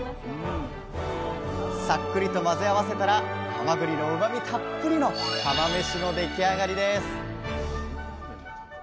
さっくりと混ぜ合わせたらはまぐりのうまみたっぷりの釜めしの出来上がりです